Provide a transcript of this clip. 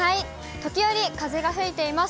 時折、風が吹いています。